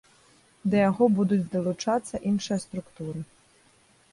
Да яго будуць далучацца іншыя структуры.